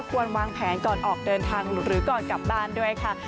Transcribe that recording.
ควรวางแผนก่อนออกเดินทางหรือก่อนกลับบ้านด้วยค่ะ